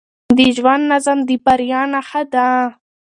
د ژوند نظم د بریا نښه ده.